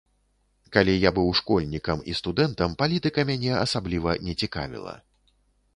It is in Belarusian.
Калі я быў школьнікам і студэнтам, палітыка мяне асабліва не цікавіла.